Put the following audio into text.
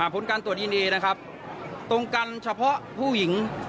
ผลการตรวจเส้นเองตรงกันเฉพาะผู้หญิง